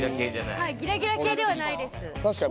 ギラギラ系ではないです。